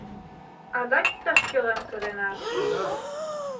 — Адак иктаж-кӧлан сыренат?